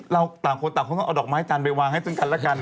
เราต่างคนต่างต้องเอาดอกไม้จานไปวางให้ซึ่งกันแล้วกัน